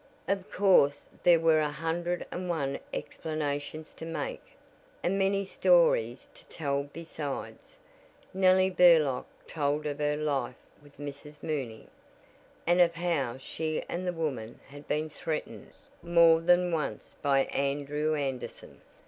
Of course there were a hundred and one explanations to make, and many stories to tell besides. Nellie Burlock told of her life with Mrs. Mooney, and of how she and the woman had been threatened more than once by Andrew Anderson.